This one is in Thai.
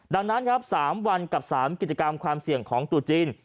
ดังนั้นครับ๓วันกับ๓กิจกรรมความเสี่ยงของตุจีน